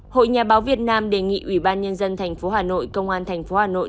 hội nhà báo việt nam đề nghị ủy ban nhân dân tp hà nội công an tp hà nội